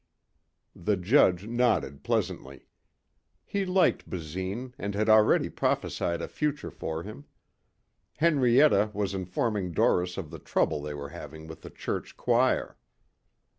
The judge nodded pleasantly. He liked Basine and had already prophesied a future for him. Henrietta was informing Doris of the trouble they were having with the church choir.